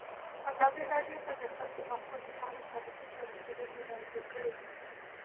ازادي راډیو د د ښځو حقونه په اړه تاریخي تمثیلونه وړاندې کړي.